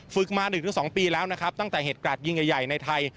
มา๑๒ปีแล้วนะครับตั้งแต่เหตุกราดยิงใหญ่ในไทย